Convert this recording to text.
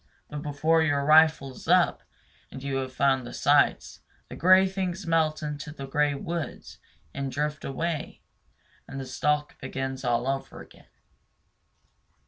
But before your rifle is up and you have found the sights, the gray things melt into the gray woods and drift away; and the stalk begins all over again.